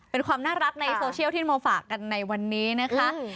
เป็นความน่ารักในโซเชียลที่มาฝากกันในวันนี้นะคะ